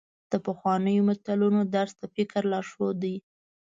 د پخوانیو متلونو درس د فکر لارښود دی.